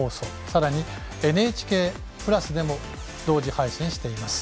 さらにＮＨＫプラスでも同時配信しています。